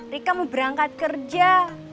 rika mau berangkat kerja